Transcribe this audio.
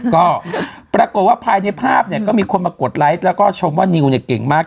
ก็ปรากฏว่าภายในภาพเนี่ยก็มีคนมากดไลค์แล้วก็ชมว่านิวเนี่ยเก่งมาก